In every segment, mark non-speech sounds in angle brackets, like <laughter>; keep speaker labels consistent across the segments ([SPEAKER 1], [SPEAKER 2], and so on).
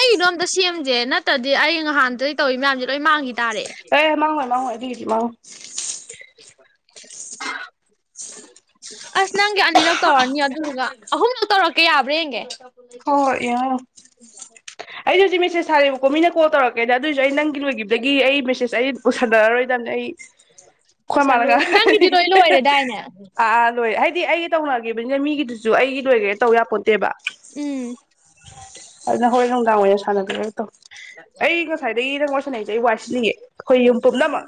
[SPEAKER 1] ꯑꯩꯗꯣꯝꯗ ꯁꯦꯝꯁꯦ ꯅꯠꯇ꯭ꯔꯗꯤ ꯑꯩ ꯅꯍꯥꯟꯗꯩ ꯇꯧꯔꯤ ꯃꯌꯥꯝꯁꯦ ꯂꯣꯏ ꯃꯥꯡꯈꯤꯗ
[SPEAKER 2] ꯑꯦ ꯃꯥꯡꯉꯣꯏ ꯃꯥꯡꯉꯣꯏ ꯑꯗꯨꯏꯒꯤꯗꯤ ꯃꯥꯡꯉꯣꯏ
[SPEAKER 1] <unintelligible> ꯑꯁ ꯅꯪꯗꯤ ꯑꯅꯤꯔꯛ ꯇꯧꯔꯅꯤ ꯑꯗꯨꯗꯨꯒ ꯑꯍꯨꯝꯂꯛ ꯇꯧꯔꯛꯀꯦ ꯌꯥꯕ꯭ꯔꯥ ꯌꯦꯡꯒꯦ
[SPEAKER 2] ꯍꯣꯏ ꯍꯣꯏ ꯌꯥ ꯑꯩꯗꯤ ꯍꯧꯖꯤꯛ ꯃꯦꯁꯦꯁ ꯊꯥꯔꯑꯕꯀꯣ ꯃꯤꯅ ꯀꯣꯜ ꯇꯧꯔꯛꯀꯦꯗ ꯑꯗꯨꯑꯣꯏꯁꯨ ꯑꯩ ꯅꯪꯒꯤ ꯂꯣꯏꯈꯤꯕꯗꯒꯤ ꯑꯩ ꯃꯦꯁꯦꯁ ꯑꯩ ꯎꯁꯗꯛꯑꯔꯣꯏꯗꯅ ꯑꯩ ꯈꯣꯏ
[SPEAKER 1] ꯂꯣꯏꯁꯜꯂꯨ
[SPEAKER 2] ꯃꯥꯥꯅꯉ
[SPEAKER 1] ꯅꯪꯒꯤꯗꯤ ꯂꯣꯏ ꯂꯣꯏꯔꯦꯗꯥꯏꯅꯦ
[SPEAKER 2] ꯑꯥ ꯂꯣꯏ ꯍꯥꯏ ꯗꯤ ꯑꯩꯒꯤ ꯇꯧꯅꯈꯤꯕꯅꯤꯅ ꯃꯤꯒꯤꯗꯨꯁꯨ ꯑꯩꯒꯤ ꯂꯣꯏꯒꯦ ꯇꯧ ꯌꯥꯄꯣꯠꯇꯦꯕ
[SPEAKER 1] ꯎꯝ
[SPEAKER 2] ꯑꯗꯨꯅ ꯍꯣꯔꯣꯏ ꯅꯨꯡꯗꯥꯡ ꯑꯣꯏꯅ ꯁꯥꯟꯅꯕꯤꯒꯠꯇꯣ ꯑꯩ ꯉꯁꯥꯏꯗꯒꯤ ꯅꯪ ꯋꯥꯔꯤꯁꯅꯛꯁꯦ ꯑꯩ ꯋꯥꯏ ꯁꯤꯅꯤꯡꯉꯦ ꯑꯩꯈꯣꯏ ꯌꯨꯝ ꯄꯨꯝꯅꯃꯛ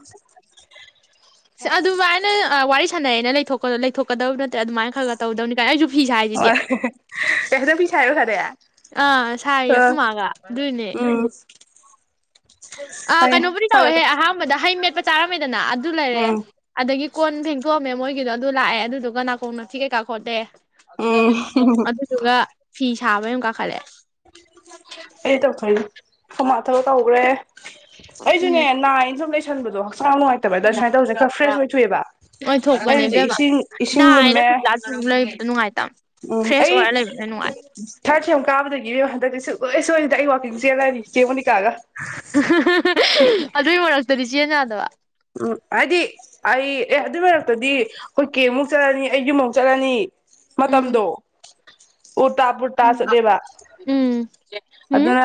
[SPEAKER 1] ꯑꯗꯨꯃꯥꯏꯅ ꯋꯥꯔꯤ ꯁꯥꯟꯅꯩꯅ ꯂꯩꯊꯣꯛꯀꯗꯕ ꯅꯠꯇꯦ ꯑꯗꯨꯃꯥꯏꯅ ꯈꯔꯒ ꯇꯧꯗꯧꯅꯤ ꯀꯥꯏ ꯑꯩꯁꯨ ꯐꯤꯁ ꯍꯥꯏꯁꯤꯗꯤ
[SPEAKER 2] ꯑꯩꯍꯦꯅꯣ ꯄ ꯃꯤꯤꯁꯥꯏꯔ ꯈꯗꯦ
[SPEAKER 1] ꯑꯥ ꯁꯥꯏ ꯌꯥꯈꯃꯒ ꯑꯗꯨꯏꯅꯦ
[SPEAKER 2] ꯑꯐ
[SPEAKER 1] ꯑ ꯀꯩꯅꯣꯕꯨꯗꯤ
[SPEAKER 2] ꯁꯥꯔꯣ
[SPEAKER 1] ꯇꯧꯋꯦꯍꯦ
[SPEAKER 2] ꯁꯥꯔꯣ
[SPEAKER 1] ꯑꯍꯥꯟꯕꯗ ꯍꯩ ꯃꯦꯠꯄ ꯆꯥꯔꯝꯃꯦꯗꯅ ꯑꯗꯨ ꯂꯩꯔꯦ
[SPEAKER 2] ꯎꯝ
[SPEAKER 1] ꯑꯗꯒꯤ ꯀꯣꯟ ꯐꯦꯡꯗꯣꯛꯑꯝꯃꯦ ꯃꯣꯏꯒꯤꯗꯣ ꯑꯗꯨ ꯂꯥꯛꯑꯦ ꯑꯗꯨꯗꯨꯒ ꯅꯥꯀꯣꯡ ꯅꯥꯁꯤꯄꯤ ꯀꯩꯀꯥ ꯈꯣꯠꯇꯦ
[SPEAKER 2] ꯎꯝ
[SPEAKER 1] ꯑꯗꯨꯗꯨꯒ ꯐꯤ ꯁꯥꯕ ꯌꯥꯝ ꯀꯥꯈꯠꯂꯦ
[SPEAKER 2] ꯑꯩ ꯇꯧꯊꯣꯏꯅꯤ ꯁꯃꯥꯊꯕ ꯇꯧꯈ꯭ꯔꯦ
[SPEAKER 1] ꯎꯝ
[SPEAKER 2] ꯑꯩꯁꯨꯅꯦ ꯅꯥꯏꯅ ꯁꯨꯝ ꯂꯩꯁꯟꯕꯗꯣ ꯍꯛꯆꯥꯡ ꯅꯨꯡꯉꯥꯏꯇꯦ ꯕ ꯑꯗ ꯁꯨꯃꯥꯏꯅ ꯇꯧꯁꯦ ꯈꯔ ꯐ꯭ꯔꯦꯁ ꯑꯣꯏꯊꯣꯛꯑꯦꯕ
[SPEAKER 1] ꯅꯣꯏ
[SPEAKER 2] ꯑꯩ ꯍꯧꯖꯤꯛ ꯏꯁꯤꯡ ꯏꯁꯤꯡ ꯂꯨꯝꯃꯦ
[SPEAKER 1] ꯂꯩꯕꯗꯣ ꯅꯨꯡꯉꯥꯏꯇꯕ ꯐ꯭ꯔꯦꯁ ꯑꯣꯏꯔ ꯂꯩꯕꯅ ꯅꯨꯡꯉꯥꯏ
[SPEAKER 2] ꯊꯔꯁ ꯌꯥꯝ ꯀꯥꯕꯗꯒꯤꯅꯦ ꯍꯟꯗꯛꯇꯤ ꯁꯨꯣꯏ ꯁꯣꯏꯔꯤꯗ ꯑꯩ ꯋꯥꯀꯤꯡꯁꯦ ꯆꯦꯜꯂꯅꯤ ꯆꯦꯡꯉꯣꯅꯤꯀꯥꯒ
[SPEAKER 1] ꯑꯗꯨꯏ ꯃꯔꯛꯇꯗꯤ ꯆꯦ ꯌꯥꯗꯕ
[SPEAKER 2] ꯎꯝ ꯍꯥꯏꯗꯤ ꯑꯩ ꯑꯦ ꯑꯗꯨꯏ ꯃꯔꯛꯇꯗꯤ ꯑꯩꯈꯣꯏ ꯀꯦꯃꯨꯛ ꯆꯠꯂꯅꯤ ꯑꯩ ꯌꯨꯝꯃꯨꯛ ꯆꯠꯂꯅꯤ
[SPEAKER 1] ꯎꯝ
[SPEAKER 2] ꯃꯇꯝꯗꯣ ꯎ ꯇꯥ ꯄꯨꯔꯇꯥꯥ
[SPEAKER 1] ꯎꯝ
[SPEAKER 2] ꯆꯠꯂꯦꯕ
[SPEAKER 1] ꯎꯝ ꯎꯝ
[SPEAKER 2] ꯑꯗꯨꯅ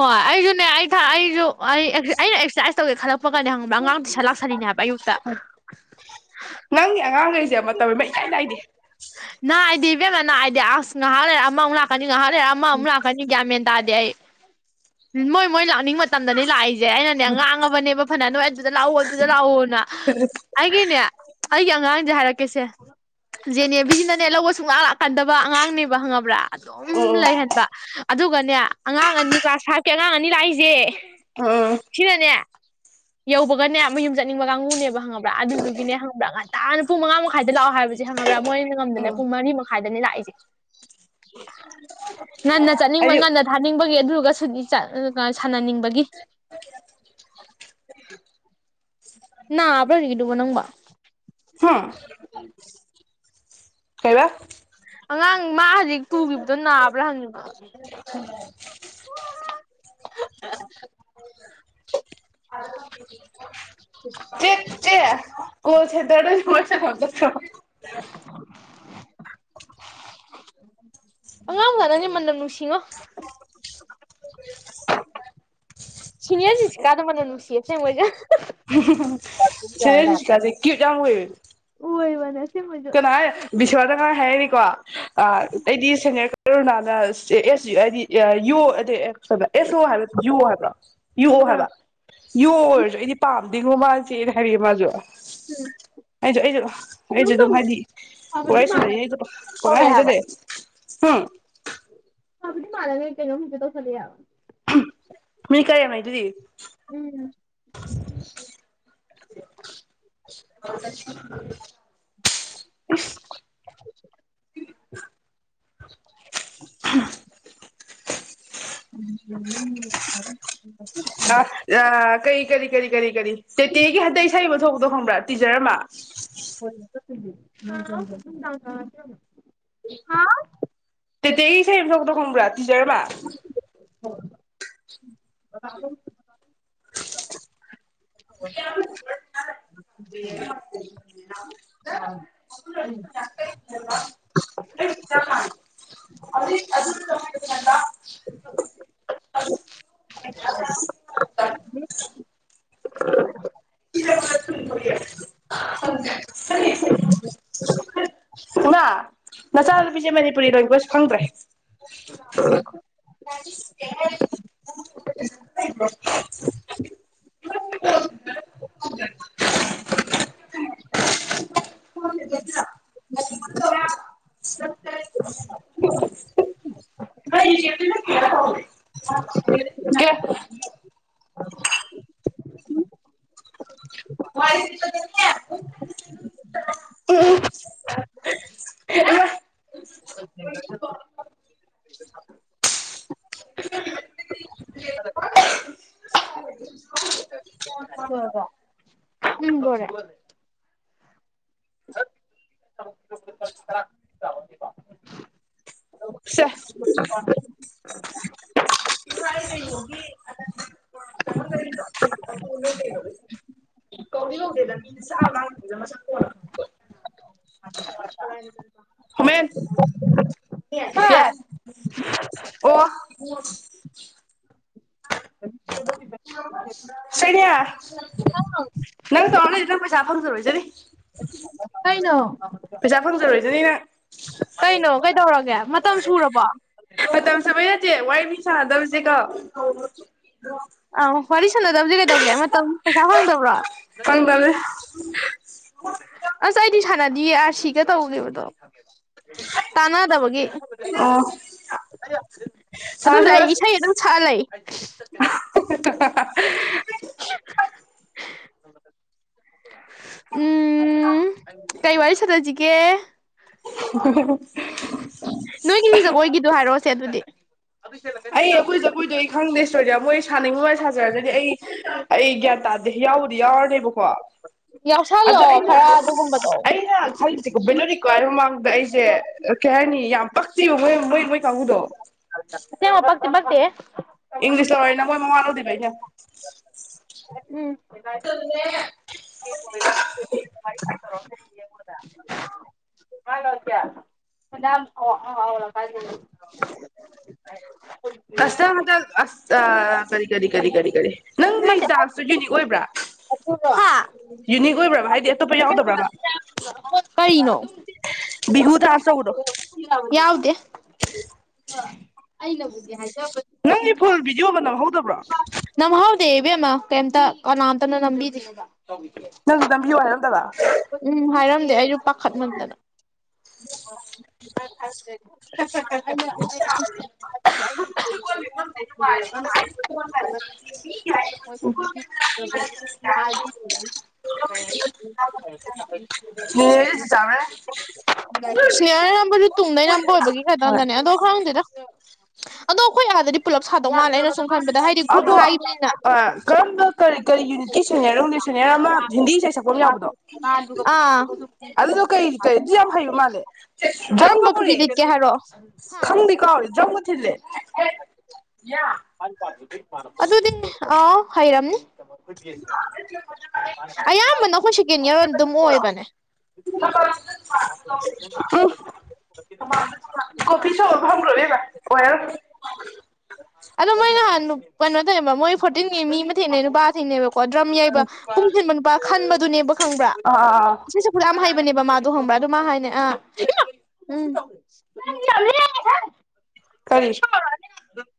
[SPEAKER 1] ꯍꯣꯏ ꯑꯩꯁꯨꯅꯦ ꯑꯩ ꯑꯩꯁꯨ ꯑꯩ ꯑꯩꯅ ꯑꯦꯛꯁꯔꯁꯥꯏꯖ ꯇꯧꯒꯦ ꯈꯔ ꯀꯞꯄ ꯀꯀꯅꯤ ꯍꯪꯕ ꯑꯉꯥꯡꯗꯤ ꯁꯥ ꯂꯥꯛꯁꯜꯂꯤꯅꯤꯅꯦꯕ ꯑꯌꯨꯛꯇ
[SPEAKER 2] ꯅꯪꯒꯤ ꯑꯉꯥꯡꯈꯩꯁꯦ ꯑꯃ ꯃꯇꯝ ꯃ ꯏꯇꯥꯏ ꯅꯥꯏꯦ
[SPEAKER 1] ꯅꯅꯥꯏꯑꯗꯤ ꯏꯕꯦꯝꯅ ꯅꯥꯏꯗꯤ ꯑꯁ ꯉꯥꯏꯍꯥꯛ ꯂꯩꯔꯦ ꯑꯃꯃꯨꯛ ꯂꯥꯛꯀꯅꯤ ꯉꯥꯏꯍꯥꯛ ꯂꯩꯔꯦ ꯑꯃꯃꯨꯛ ꯂꯥꯛꯀꯅꯤ ꯒ꯭ꯌꯥꯃꯦꯟ ꯇꯥꯗꯤꯦ ꯑꯩ ꯃꯣꯏ ꯃꯣꯏ ꯂꯥꯛꯅꯤꯡꯕ ꯃꯇꯝꯗꯅꯤ ꯂꯥꯛꯏꯁꯦ ꯑꯩꯅꯅꯦ ꯉꯥꯡꯉꯕꯅꯦꯕ ꯐꯅ ꯅꯣꯏ ꯑꯗꯨꯗ ꯂꯥꯛꯑꯣ ꯑꯗꯨꯗ ꯂꯥꯛꯑꯣꯅ
[SPEAKER 2] <unintelligible>
[SPEAKER 1] ꯑꯉꯥꯡ ꯍꯥꯏꯔꯛꯀꯦꯁꯦ ꯖꯦꯅꯦꯕꯤꯖꯤꯅꯅꯦ ꯂꯧꯕ ꯁꯨꯡ ꯉꯥꯛ ꯂꯥꯛꯀꯟꯗꯕ ꯑꯉꯥꯡꯅꯦꯕ ꯍꯪꯉꯕ꯭ꯔꯥ ꯑꯗꯨꯝ
[SPEAKER 2] ꯎꯝ
[SPEAKER 1] ꯂꯩꯍꯟꯕ ꯑꯗꯨꯒꯅꯦ ꯑꯉꯥꯡ ꯑꯅꯤ ꯀ꯭ꯂꯥꯁ ꯐꯥꯏꯚꯀꯤ ꯑꯉꯥꯡ ꯑꯅꯤ ꯂꯥꯛꯏꯁꯦ
[SPEAKER 2] ꯎꯝ ꯎꯝ
[SPEAKER 1] ꯁꯤꯤꯔꯅꯦꯌꯥ ꯌꯧꯕꯒꯅꯦ ꯃꯌꯨꯝ ꯆꯠꯅꯤꯡꯕ ꯀꯥꯡꯕꯨꯅꯦꯕ ꯍꯪꯉꯕ꯭ꯔꯥ ꯑꯗꯨꯗꯨꯒꯤꯅꯦ ꯍ ꯈꯪꯉꯕ꯭ꯔꯥ ꯉꯥꯏꯇꯥꯥꯅ ꯄꯨꯡ ꯃꯉꯥ ꯃꯈꯥꯏꯗ ꯂꯥꯛꯑꯣ ꯍꯥꯏꯕꯁꯦ ꯈꯪꯉꯕ꯭ꯔꯥ ꯃꯣꯏꯅ ꯉꯝꯗꯅ
[SPEAKER 2] ꯎꯝ
[SPEAKER 1] ꯄꯨꯡ ꯃꯔꯤ ꯃꯈꯥꯏꯗꯅꯦ ꯂꯥꯛꯏꯁꯦ ꯉꯟꯅ ꯆꯠꯅꯤꯡꯕ
[SPEAKER 2] ꯍꯥꯏꯗꯤ
[SPEAKER 1] ꯉꯟꯅ ꯊꯥꯅꯤꯡꯕꯒꯤ ꯑꯗꯨꯒꯁꯨ ꯁꯥꯟꯅꯅꯤꯡꯕꯒꯤ ꯅ ꯑ꯭ꯔꯣ ꯍꯒꯗꯨꯕ ꯅꯪꯕ
[SPEAKER 2] ꯍꯥꯦ ꯍꯦꯔ
[SPEAKER 1] ꯑꯉꯥꯡ ꯃꯥ ꯍꯧꯖꯤꯛ ꯇꯨꯈꯤꯕꯗꯣ ꯅꯥꯕ꯭ꯔꯥ ꯍꯪꯅꯤꯕ ꯎ
[SPEAKER 2] ꯀꯁꯗ ꯃꯖꯥ ꯐꯗ꯭ꯔꯣ
[SPEAKER 1] <unintelligible> ꯑꯉꯥꯡ ꯋꯥꯅꯅꯤ ꯃꯟꯅ ꯅꯨꯡꯁꯤꯉꯣ ꯁꯤꯅꯤꯌꯔꯁꯤꯁꯤ ꯀꯥꯗꯝꯕꯅꯣ ꯅꯨꯡꯁꯤꯌꯦꯁꯦꯡꯉꯣꯏꯁꯦ
[SPEAKER 2] ꯁꯤꯔ ꯅꯨꯡꯁꯤꯀꯁꯦ ꯀꯌ ꯌꯥꯝꯥꯡ ꯑꯣꯏ
[SPEAKER 1] ꯎ ꯋꯥꯅꯦ ꯁꯤ
[SPEAKER 2] ꯇꯥꯏ ꯁꯅꯥꯗ ꯉꯔ ꯍꯦꯔꯅꯤꯀꯣ ꯑꯩꯗꯤ ꯁꯦꯅꯤꯌꯔ ꯀꯔꯣꯅꯥꯅ ꯑꯦꯁ ꯑꯩꯗꯤ ꯌꯣ ꯑ ꯍꯥꯏ ꯑꯦꯁ ꯑꯣ ꯍꯥꯏꯕ ꯌꯣ ꯍꯥꯏꯕ꯭ꯔꯣ ꯌꯨꯑꯣ
[SPEAKER 1] ꯑꯥ
[SPEAKER 2] ꯍꯥꯏꯕ ꯌꯣ ꯍꯥꯏꯔꯁꯨ ꯑꯩꯗꯤ ꯄꯥꯝ ꯦꯡꯒꯨ ꯃꯥꯜ ꯆꯦꯅ ꯍꯥꯏꯔꯤꯑꯦ ꯃꯥꯁꯨ ꯑꯩꯁꯨ ꯑꯩꯁꯨ
[SPEAKER 1] ꯀꯩꯅꯣꯝ
[SPEAKER 2] ꯁꯤ
[SPEAKER 1] ꯇꯧ
[SPEAKER 2] ꯑꯗꯨꯝ ꯍꯥꯏꯗꯤ
[SPEAKER 1] ꯐꯕꯗꯤ
[SPEAKER 2] ꯄꯒꯥꯏ
[SPEAKER 1] ꯃꯥꯜꯂ
[SPEAKER 2] ꯁꯥꯟꯅꯩꯅꯦ ꯑꯩꯗ ꯄꯉꯥꯏ
[SPEAKER 1] ꯇꯧꯔꯛꯑꯦ ꯍꯥꯏꯕ
[SPEAKER 2] ꯍꯥꯏꯖꯗꯦ ꯎꯝ
[SPEAKER 1] ꯍꯕꯨꯗꯤ ꯃꯥꯔꯒ ꯀꯩꯅꯣ ꯍꯧꯦꯗꯣ ꯐ ꯂꯩ
[SPEAKER 2] ꯃꯤ ꯀꯔꯤ ꯌꯥꯝꯅ ꯑꯗꯨꯗꯤ
[SPEAKER 1] ꯎꯝ
[SPEAKER 2] ꯍ ꯑꯦ
[SPEAKER 1] <unintelligible> <unintelligible>
[SPEAKER 2] ꯑ ꯑ ꯀꯔꯤ ꯀꯔꯤ ꯀꯔꯤ ꯀꯔꯤ ꯀꯔꯤ ꯇꯦꯇꯦꯒꯤ ꯍꯟꯇꯩ ꯁꯕ ꯊꯣꯛꯄꯗꯣ ꯈꯪꯕ꯭ꯔꯥ ꯇꯤꯖꯔꯃ
[SPEAKER 1] ꯍ
[SPEAKER 2] ꯇꯩ ꯁ ꯁꯣꯛꯗ ꯀꯨꯝꯕ꯭ꯔꯥ ꯇꯤꯆꯔ ꯂ
[SPEAKER 1] ꯍꯣꯏ ꯔꯍꯣ <inaudible>
[SPEAKER 2] ꯌꯦ
[SPEAKER 1] ꯍ
[SPEAKER 2] ꯔ ꯑꯗꯨ
[SPEAKER 1] <unintelligible>
[SPEAKER 2] <unintelligible> ꯏꯃꯥ ꯅꯆꯥꯅꯨꯄꯤꯁꯦ ꯃꯅꯤꯄꯨꯔꯤ ꯂꯦꯡꯒ꯭ꯋꯦꯖ ꯈꯪꯗ꯭ꯔꯦ꯫
[SPEAKER 1] <unintelligible>
[SPEAKER 2] <unintelligible>
[SPEAKER 1] <unintelligible>
[SPEAKER 2] <unintelligible> <unintelligible> <unintelligible>
[SPEAKER 1] <unintelligible>
[SPEAKER 2] ꯋꯥꯏ ꯁꯤꯠꯄꯗꯅꯦ
[SPEAKER 1] <unintelligible> <unintelligible> <unintelligible> ꯂꯣꯢꯔꯕꯣ ꯎꯝ ꯂꯣꯏꯔꯦ꯫ <unintelligible>
[SPEAKER 2] ꯁꯦ
[SPEAKER 1] <unintelligible> <unintelligible>
[SPEAKER 2] <unintelligible> <unintelligible> ꯃꯁꯛꯇꯣ <unintelligible>
[SPEAKER 1] ꯍꯥ
[SPEAKER 2] ꯑꯣ
[SPEAKER 1] <unintelligible>
[SPEAKER 2] ꯁꯦꯅꯤꯌꯥ ꯅꯪ <unintelligible> ꯄꯩꯁꯥ ꯐꯪꯖꯔꯣꯏꯖꯅꯤ꯫
[SPEAKER 1] ꯀꯩꯅꯣ꯫
[SPEAKER 2] ꯄꯩꯁꯥ ꯐꯪꯖꯔꯣꯏꯖꯅꯤ ꯅꯪ꯫
[SPEAKER 1] ꯀꯩꯅꯣ ꯀꯩꯗꯧꯔꯒꯦ ꯃꯇꯝ ꯁꯨꯔꯕꯣ꯫
[SPEAKER 2] ꯃꯇꯝ ꯁꯨꯕꯩ ꯅꯠꯇꯦ ꯋꯥꯔꯤ ꯃꯤ ꯁꯥꯗꯕꯖꯦꯀꯣ
[SPEAKER 1] ꯑꯧ ꯋꯥꯔꯤ ꯁꯥꯟꯅꯗꯕꯖꯦ ꯀꯩꯗꯧꯒꯦ ꯃꯇꯝ ꯄꯩꯁꯥ ꯐꯪꯗꯕ꯭ꯔꯣ꯫
[SPEAKER 2] ꯎꯝ꯫ <unintelligible>
[SPEAKER 1] ꯑꯁ ꯑꯩꯗꯤ ꯁꯥꯟꯅꯗꯤꯌꯦ ꯑꯥꯔ ꯁꯤꯒ ꯇꯧꯒꯤꯕꯗꯣ꯫ ꯇꯥꯟꯅꯗꯕꯒꯤ꯫
[SPEAKER 2] ꯑꯣ
[SPEAKER 1] ꯑꯗꯨꯕꯨꯗꯤ
[SPEAKER 2] ꯁꯥꯟꯅꯁꯦ
[SPEAKER 1] ꯑꯩ ꯏꯁꯩ
[SPEAKER 2] ꯑꯁ
[SPEAKER 1] ꯑꯗꯨꯝ ꯁꯛ ꯑ ꯂꯩ꯫ <unintelligible> ꯎꯝ ꯀꯩ ꯋꯥꯔꯤ ꯁꯅꯖꯤꯒꯦ꯫
[SPEAKER 2] <unintelligible>
[SPEAKER 1] ꯅꯣꯏꯒꯤ ꯖꯒꯣꯏꯒꯤꯗꯣ ꯍꯥꯏꯔꯛ ꯑꯣꯁꯦ ꯑꯗꯨꯗꯤ꯫
[SPEAKER 2] ꯑꯩ ꯑꯩꯈꯣꯏ ꯖꯒꯣꯏꯗꯣ- ꯈꯪꯗꯦ ꯁꯣꯏꯖ ꯃꯣꯏ ꯁꯥꯅꯤꯡꯕ ꯃꯥꯏ ꯁꯥꯖꯔꯖꯅꯤ ꯑꯩ ꯑꯩ ꯒ꯭ꯌꯥꯟ ꯇꯥꯗꯦ ꯌꯥꯎꯕꯨꯗꯤ ꯌꯥꯎꯔꯅꯦꯕꯀꯣ
[SPEAKER 1] ꯌꯥꯎꯁꯜꯂꯣ
[SPEAKER 2] ꯑꯗꯣ ꯑꯩꯅ
[SPEAKER 1] ꯈꯔ ꯑꯗꯨꯒꯨꯝꯕꯗꯣ
[SPEAKER 2] ꯑꯩꯅ ꯈꯜꯂꯤꯁꯦꯀꯣ ꯕꯦꯂꯣꯔꯤ ꯀꯥꯏ ꯃꯃꯥꯡꯗ ꯑꯩꯁꯦ ꯀꯩ ꯍꯥꯏꯅꯤ ꯌꯥꯝ ꯄꯛꯇꯦꯕ ꯃꯣꯏ ꯃꯣꯏ ꯃꯣꯏ ꯀꯥꯡꯕꯨꯗꯣ
[SPEAKER 1] <unintelligible> ꯄꯛꯇꯤ ꯄꯛꯇꯦꯍꯦ꯫
[SPEAKER 2] ꯏꯪꯂꯤꯁ ꯂꯧꯔꯦꯅ ꯃꯣꯏ ꯃꯋꯥ ꯂꯧꯗꯦꯕ ꯑꯩꯅ꯫
[SPEAKER 1] ꯎꯝ꯫
[SPEAKER 2] <unintelligible>
[SPEAKER 1] <unintelligible> <unintelligible> <unintelligible>
[SPEAKER 2] <unintelligible> ꯑ ꯀꯔꯤ ꯀꯔꯤ ꯀꯔꯤ ꯀꯔꯤ ꯀꯔꯤ ꯅꯪꯒꯤ ꯖꯥꯁꯨ ꯌꯨꯅꯤꯛ ꯑꯣꯏꯕ꯭ꯔꯥ
[SPEAKER 1] ꯍꯥ
[SPEAKER 2] ꯌꯨꯅꯤꯛ ꯑꯣꯏꯕ꯭ꯔꯥꯕ ꯍꯥꯏ ꯗꯤ ꯑꯇꯣꯞꯄ ꯌꯥꯎꯗꯕ꯭ꯔꯕ
[SPEAKER 1] ꯀꯔꯤꯅꯣ
[SPEAKER 2] ꯕꯤꯍꯨ ꯗꯥꯁ ꯆꯧꯕꯗꯣ
[SPEAKER 1] ꯌꯥꯎꯗꯦ ꯑꯩꯅꯕꯨꯗꯤ ꯍꯥꯏꯖꯕ
[SPEAKER 2] ꯌꯣꯝꯕ ꯂꯍꯧꯗꯕ꯭ꯔꯣ
[SPEAKER 1] ꯅꯝꯍꯧꯗꯦ ꯏꯕꯦꯝꯃ ꯀꯩꯝꯇ ꯀꯅꯥꯝꯇꯅ ꯅꯝꯕꯤꯗꯦ
[SPEAKER 2] ꯅꯪꯖꯨ ꯅꯝꯕꯤꯌꯣ ꯍꯥꯏꯔꯝꯗꯕ
[SPEAKER 1] ꯎꯝ ꯍꯥꯏꯔꯝꯗꯦ ꯑꯩꯖꯨ ꯄꯥꯈꯠꯃꯟꯗꯅ <unintelligible> <unintelligible> <unintelligible>
[SPEAKER 2] ꯅꯦꯅꯦꯍꯣꯏꯗ ꯆꯤꯆꯥꯍꯣꯏ
[SPEAKER 1] <unintelligible> ꯁꯅꯦꯍꯥꯅ ꯅꯝꯕꯖꯨ ꯇꯨꯡꯗꯩ ꯅꯝꯕ ꯑꯣꯏꯕꯒꯤ
[SPEAKER 2] ꯍꯣꯏ
[SPEAKER 1] ꯈꯗꯗꯅꯦ ꯑꯗꯣ ꯈꯪꯗꯦꯗ ꯑꯗꯣ ꯑꯩꯈꯣꯏ ꯑꯥꯗꯗꯤ ꯄꯨꯂꯞ ꯁꯥꯗꯧ ꯃꯥꯜꯂꯦ ꯑꯩꯅ ꯁꯨꯝ ꯈꯟꯕꯗ ꯍꯥꯏꯗꯤ ꯒ꯭ꯔꯨꯞ
[SPEAKER 2] ꯑꯗꯣ
[SPEAKER 1] ꯍꯥꯏꯕꯅꯤꯅ
[SPEAKER 2] ꯑꯥ ꯀꯔꯝꯕ ꯀꯔꯤ ꯀꯔꯤ ꯌꯨꯅꯤꯠꯀꯤ ꯁꯦꯅꯤꯌꯔꯅꯣ ꯈꯪꯗꯦ ꯁꯨꯅꯤꯌꯔ ꯑꯃ ꯍꯤꯟꯗꯤ ꯏꯁꯩꯩ ꯁꯛꯄꯥꯝ ꯃꯥ ꯌꯥꯎꯕꯗꯣ
[SPEAKER 1] ꯑꯥ <unintelligible>
[SPEAKER 2] ꯑꯗꯨꯗꯣ ꯀꯩ ꯀꯩ ꯑꯗꯨ ꯌꯥꯝ ꯍꯩꯕ ꯃꯥꯜꯂꯦ ꯗ꯭ꯔꯝꯒ
[SPEAKER 1] ꯀꯔꯝꯕ ꯐꯨꯔꯤꯠ
[SPEAKER 2] ꯄꯨꯔꯛꯑꯦ
[SPEAKER 1] ꯂꯤꯠꯀꯦ ꯍꯥꯏꯔꯑꯣ
[SPEAKER 2] ꯈꯪꯗꯤ ꯀꯥꯎꯔꯦ ꯗ꯭ꯔꯝꯒ ꯊꯤꯜꯂꯦ
[SPEAKER 1] <unintelligible>
[SPEAKER 2] ꯌꯥ
[SPEAKER 1] <unintelligible> ꯑꯗꯨꯗꯤ ꯑꯥ ꯍꯩꯔꯝꯅꯤ <unintelligible> ꯑꯌꯥꯝꯕꯅ ꯈꯣꯏꯁꯤ ꯀꯦꯅꯤꯌꯥ ꯑꯗꯨꯝ ꯑꯣꯏꯕꯅꯦ
[SPEAKER 2] ꯎꯝ ꯀꯣꯐꯤ ꯁꯣꯞ ꯑꯃ ꯐꯝꯒ꯭ꯔꯣ ꯏꯕꯦꯝꯃ ꯑꯣꯏꯔꯥꯔꯣꯏ
[SPEAKER 1] ꯑꯗꯣ ꯃꯣꯏ ꯅꯍꯥꯟ ꯅꯨꯞ ꯀꯩꯅꯣ ꯇꯧꯋꯦꯕ ꯃꯣꯏ ꯐꯣꯔꯇꯤꯟꯒꯤ ꯃꯤ ꯑꯃ ꯊꯦꯡꯅꯩ ꯅꯨꯄꯥ ꯊꯦꯡꯅꯩꯕ ꯀꯣ ꯗ꯭ꯔꯝ ꯌꯩꯕ ꯄꯨꯡ ꯊꯤꯟꯕ ꯅꯨꯄꯥ ꯈꯟꯕꯗꯨꯅꯦꯕ ꯈꯪꯕ꯭ꯔꯥ
[SPEAKER 2] ꯑꯥ ꯑꯥ ꯑꯥ
[SPEAKER 1] ꯏꯁꯩ ꯁꯛ ꯄꯨꯔꯥꯝ ꯍꯩꯕꯅꯦꯕ ꯃꯥꯗꯣ ꯍꯪꯕ꯭ꯔꯥ ꯑꯗꯨ ꯃꯥ ꯍꯥꯏꯅꯦ ꯑꯥ ꯏꯃꯥ ꯎꯝ ꯆ <unintelligible>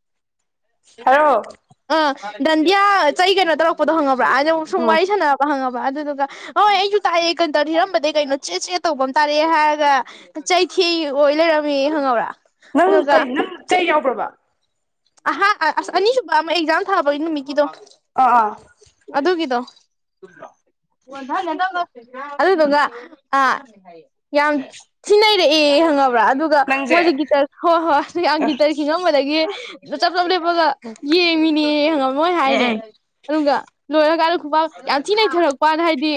[SPEAKER 2] ꯍꯜꯂꯣ꯫
[SPEAKER 1] ꯑ ꯗꯙꯟꯗꯤꯌꯥ ꯆꯩ ꯀꯩꯅꯣ ꯇꯧꯔꯛꯄꯗꯣ ꯈꯪꯉꯕ꯭ꯔꯥ ꯑꯗ ꯁꯨꯡ
[SPEAKER 2] ꯎꯝ
[SPEAKER 1] ꯋꯥꯔꯤ ꯁꯥꯟꯅ ꯍꯪꯉꯕ ꯑꯗꯨꯗꯨꯒ ꯍꯣꯏ ꯑꯩꯁꯨ ꯇꯥꯛꯑꯦ ꯀꯇꯥꯔ ꯍꯦꯛꯑꯃꯕꯗꯩꯩ ꯀꯩꯅꯣ ꯆꯦꯠ ꯆꯦꯠ ꯇꯧꯕ ꯑꯃ ꯇꯥꯔꯛꯑꯦ ꯍꯥꯏꯔꯒ ꯆꯩꯊꯦꯛꯏ ꯑꯣꯏ ꯂꯩꯔꯝꯃꯦ ꯈꯪꯉꯕꯔ꯫
[SPEAKER 2] ꯅꯪ ꯀꯩ ꯅꯪ ꯆꯩ ꯌꯥꯎꯕ꯭ꯔꯕ꯫
[SPEAKER 1] ꯑꯍꯥ ꯑꯁ ꯑꯅꯤꯁꯨꯕ ꯑꯃ ꯑꯦꯛꯖꯥꯝ ꯊꯥꯕꯒꯤ ꯅꯨꯃꯤꯠꯀꯤꯗꯣ꯫
[SPEAKER 2] ꯑ ꯑꯥ꯫
[SPEAKER 1] ꯑꯗꯨꯒꯤꯗꯣ꯫ <unintelligible> ꯑꯗꯨꯗꯨꯒ ꯑ ꯌꯥꯝ ꯊꯤꯟꯅꯩꯔꯛꯑꯦ ꯍꯪꯉꯕ꯭ꯔꯥ ꯑꯗꯨ ꯑꯗꯨꯒ
[SPEAKER 2] ꯅꯪꯁꯦ
[SPEAKER 1] ꯃꯣꯏꯁꯦ ꯒꯤꯇꯔ ꯍꯣꯏ ꯍꯣꯏ ꯌꯥꯝ
[SPEAKER 2] ꯎꯝ
[SPEAKER 1] ꯒꯤꯇꯔ ꯈꯤꯡꯉꯝꯕꯗꯒꯤ ꯆꯞ ꯆꯞ ꯂꯦꯞꯄꯒ ꯌꯦꯡꯉꯤꯅꯦ ꯈꯪꯉꯥꯕꯔ ꯃꯣꯏ ꯍꯥꯏꯅꯦ꯫
[SPEAKER 2] ꯎꯝ
[SPEAKER 1] ꯑꯗꯨꯒ ꯂꯣꯏꯔꯀꯥꯟꯗ ꯈꯨꯄꯥꯛ ꯌꯥꯝ ꯊꯤ ꯅꯩꯊꯔꯛꯄ ꯋꯥꯅꯤ ꯍꯥꯏꯗꯤ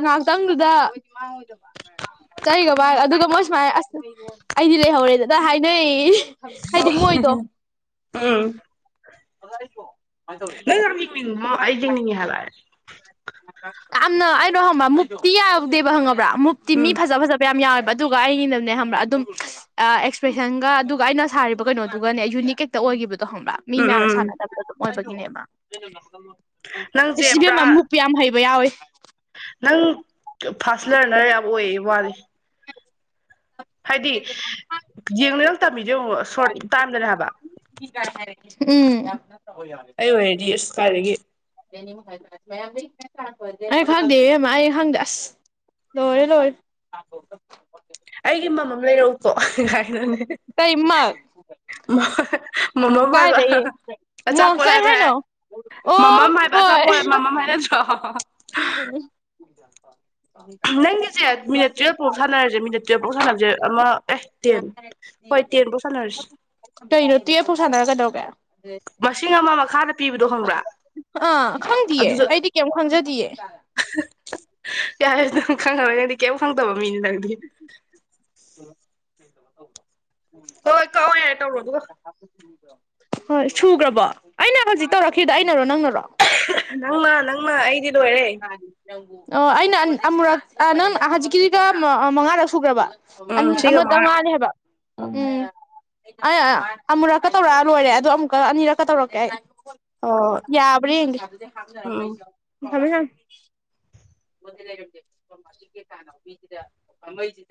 [SPEAKER 1] ꯉꯥꯏꯍꯥꯛꯇꯪꯗꯨꯗ꯫ ꯃꯥꯏ <inaudible> ꯆꯩꯒ ꯄꯥꯏꯔ ꯑꯗꯨꯒ ꯃꯣꯏ ꯁꯨꯃꯥꯏꯅ ꯑꯁ ꯑꯩꯗꯤ ꯂꯩꯍꯧꯔꯦꯗ ꯍꯥꯏꯅꯩ꯫ ꯍꯥꯏꯗꯤ ꯃꯣꯏꯗꯣ
[SPEAKER 2] <inaudible>
[SPEAKER 1] <inaudible>
[SPEAKER 2] <unintelligible> ꯍꯥꯏꯕ꯫
[SPEAKER 1] ꯌꯥꯝꯅ ꯑꯩꯅꯣ ꯍꯪꯕ ꯃꯨꯝꯇꯤ ꯌꯥꯗꯦꯕ ꯈꯪꯕ꯭ꯔꯥ ꯃꯨꯝꯇꯤ ꯃꯤ
[SPEAKER 2] ꯎꯝ
[SPEAKER 1] ꯐꯖ ꯐꯖꯕ ꯌꯥꯝꯌꯥꯝ ꯌꯥꯎꯋꯦꯕ ꯑꯗꯨꯒ ꯑꯩꯒꯤꯅꯅꯦ ꯍꯕ꯭ꯔꯥ ꯑꯗꯨꯝ ꯑꯦꯛꯁꯄ꯭ꯔꯦꯁꯟꯒ ꯑꯗꯨꯒ ꯑꯩꯅ ꯁꯥꯔꯤꯕ ꯀꯩꯅꯣꯗꯨꯒꯅꯦ ꯌꯨꯅꯤꯛ ꯍꯦꯛꯇ ꯑꯣꯏꯈꯤꯕꯗꯣ ꯈꯪꯕ꯭ꯔꯥ꯫ ꯃꯤ
[SPEAKER 2] ꯎꯝ
[SPEAKER 1] ꯃꯌꯥꯝꯅ
[SPEAKER 2] ꯎꯝ
[SPEAKER 1] ꯁꯥꯟꯅꯗꯕꯗ ꯑꯗꯨꯝ ꯑꯣꯏꯕꯒꯤꯅꯦꯕ
[SPEAKER 2] ꯅꯪꯁꯦ
[SPEAKER 1] ꯏꯁ
[SPEAKER 2] ꯄꯨꯔꯥ
[SPEAKER 1] ꯏꯕꯦꯝꯃ ꯃꯨꯛ ꯌꯥꯝ ꯍꯩꯕ ꯌꯥꯎꯏ꯫
[SPEAKER 2] ꯅꯪ ꯐꯥꯔꯥꯁ ꯂꯔꯅꯔ ꯌꯥꯝ ꯑꯣꯏꯌꯦ ꯋꯥꯔꯤ꯫ ꯍꯥꯏꯗꯤ ꯌꯦꯡꯅ ꯇꯝꯃꯤꯗꯣ ꯌꯦꯪꯏ ꯁꯣꯔꯠ ꯇꯥꯏꯝꯗꯅꯦ ꯍꯥꯏꯕ꯫
[SPEAKER 1] ꯎꯝ꯫
[SPEAKER 2] ꯑꯩ ꯑꯣꯏꯔꯗꯤ ꯑꯁ ꯀꯥꯏꯗꯒꯤ꯫
[SPEAKER 1] ꯑꯩ ꯐꯪꯗꯦꯍꯦ ꯏꯕꯦꯝ ꯑꯩ ꯈꯪꯗꯦ ꯑꯁ꯫ ꯂꯣꯏꯔꯦ ꯂꯣꯏꯔꯦ꯫
[SPEAKER 2] ꯑꯩꯒꯤ ꯃꯃꯝ ꯂꯩꯔꯛꯎꯀꯣ ꯀꯥꯏꯗꯨꯅꯤ꯫
[SPEAKER 1] ꯇꯩꯃꯛ꯫
[SPEAKER 2] <unintelligible> ꯃꯃꯝ ꯍꯥꯏꯕ
[SPEAKER 1] ꯀꯥꯏꯗꯩ ꯃꯣ
[SPEAKER 2] ꯑꯆꯥꯄꯣꯠ
[SPEAKER 1] ꯀꯩ
[SPEAKER 2] ꯍꯥꯏꯕ ꯍꯥꯏ
[SPEAKER 1] ꯍꯥꯏꯅꯣ ꯑꯣ
[SPEAKER 2] ꯃꯃꯝ ꯍꯥꯏꯕ ꯑꯆꯥꯄꯣꯠ
[SPEAKER 1] ꯍꯣꯏ
[SPEAKER 2] ꯍꯥꯏ ꯃꯃꯝ ꯍꯥꯏꯅ <unintelligible> ꯅꯪꯒꯤꯁꯦ ꯃꯤꯅꯠ
[SPEAKER 1] <unintelligible>
[SPEAKER 2] ꯇꯨꯌꯦꯜꯞ ꯐꯥꯎ ꯁꯥꯟꯅꯔꯁꯦ ꯃꯤꯅꯤꯠ ꯇꯨꯌꯦꯜꯞꯐꯥꯎ ꯁꯥꯟꯅꯕꯁꯦ ꯑꯃ ꯑꯦ ꯇꯦꯟ ꯍꯣꯏ ꯇꯦꯟꯐꯧ ꯁꯥꯟꯅꯔꯁꯦ꯫
[SPEAKER 1] ꯀꯩꯅꯣ ꯇꯨꯌꯦꯜꯞꯐꯥꯎ ꯁꯥꯟꯅꯔ ꯀꯩꯗꯧꯒꯦ꯫
[SPEAKER 2] ꯃꯁꯤꯡ ꯑꯃ ꯃꯈꯥꯗ ꯄꯤꯕꯗꯣ ꯈꯪꯕ꯭ꯔꯥ
[SPEAKER 1] ꯑꯥ ꯈꯪꯗꯤꯌꯦ
[SPEAKER 2] ꯑꯗꯨꯁꯨ
[SPEAKER 1] ꯑꯩꯗꯤ ꯀꯩꯝ ꯈꯪꯖꯗꯌꯦ꯫
[SPEAKER 2] ꯌꯥꯔꯦ ꯅꯪ ꯈꯪꯉꯔꯣꯏ ꯅꯪꯗꯤ ꯀꯩꯝ ꯈꯪꯗꯕ ꯃꯤꯅꯤ ꯅꯪꯗꯤ꯫
[SPEAKER 1] ꯎꯝ ꯎꯝ
[SPEAKER 2] ꯍꯣꯏ ꯍꯣꯏ ꯀꯥꯛꯑꯣ ꯌꯥꯔꯦ ꯇꯧꯔꯛꯑꯣ ꯑꯗꯨꯒ꯫
[SPEAKER 1] ꯍꯣꯏ ꯁꯨꯈ꯭ꯔꯕꯣ ꯑꯩꯅ ꯍꯧꯖꯤꯛ ꯇꯧꯔꯛꯈꯤꯗꯣ ꯑꯩꯅꯔꯣ ꯅꯪꯅꯔꯣ꯫
[SPEAKER 2] ꯅꯪꯅ ꯅꯪꯅ ꯑꯩꯗꯤ ꯂꯣꯏꯔꯦ꯫
[SPEAKER 1] ꯑꯣ ꯑꯩꯅ ꯑꯃꯨꯔꯛ ꯅꯪ ꯍꯧꯖꯤꯛꯀꯤꯗꯨꯗ ꯃꯉꯥꯗ ꯁꯨꯈ꯭ꯔꯕ꯫ ꯑꯟ
[SPEAKER 2] ꯎꯝ ꯁꯤꯒ
[SPEAKER 1] ꯑꯃꯥ ꯗꯪ
[SPEAKER 2] ꯃꯉꯥ
[SPEAKER 1] ꯋꯥꯜꯂꯤ ꯍꯥꯏꯕ ꯎꯝ꯫ ꯑꯩ ꯑꯃꯨꯔꯛꯀ ꯇꯧꯔꯛꯑ ꯂꯣꯏꯔꯦ ꯑꯗꯣ ꯑꯃꯨꯛꯀ ꯑꯅꯤꯔꯛꯀ ꯇꯧꯔꯛꯀꯦ ꯑꯩ꯫
[SPEAKER 2] ꯑꯣ
[SPEAKER 1] ꯌꯥꯕꯔ ꯌꯦꯡꯒꯦ
[SPEAKER 2] ꯎꯝ
[SPEAKER 1] ꯊꯝꯃꯦ ꯊꯝꯃꯦ꯫ <inaudible>